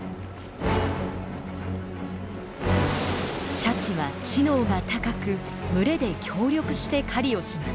シャチは知能が高く群れで協力して狩りをします。